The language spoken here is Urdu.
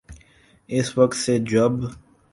اس وقت سے جب